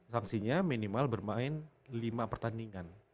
sanksinya minimal bermain lima pertandingan